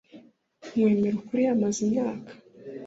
kwemera ukuri yamaze imyaka